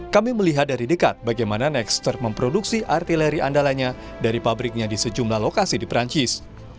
kami melihat dari dekat bagaimana nextre memproduksi artileri andalanya dari pabriknya di sejumlah lokasi di perancis